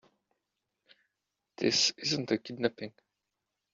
This isn't a kidnapping.